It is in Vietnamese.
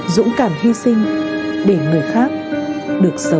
dũng cảm hy sinh để người khác được sống được bình yên